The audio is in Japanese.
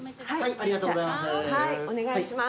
ありがとうございます。